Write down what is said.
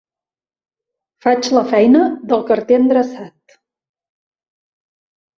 Faig la feina del carter endreçat.